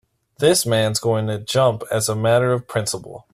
This man's going to jump as a matter of principle.